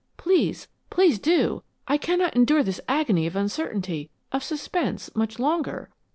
Please, please do! I cannot endure this agony of uncertainty, of suspense, much longer!"